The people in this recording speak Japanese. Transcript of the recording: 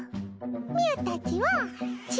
みゅーたちはち